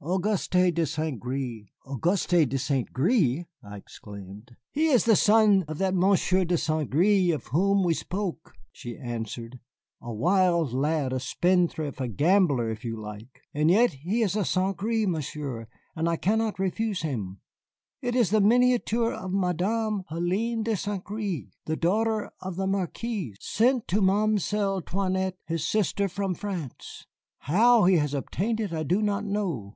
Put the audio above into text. Auguste de Saint Gré " "Auguste de Saint Gré!" I exclaimed. "He is the son of that Monsieur de Saint Gré of whom we spoke," she answered, "a wild lad, a spendthrift, a gambler, if you like. And yet he is a Saint Gré, Monsieur, and I cannot refuse him. It is the miniature of Mademoiselle Hélène de Saint Gré, the daughter of the Marquis, sent to Mamselle 'Toinette, his sister, from France. How he has obtained it I know not."